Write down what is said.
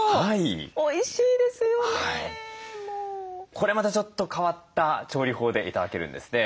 これまたちょっと変わった調理法で頂けるんですね。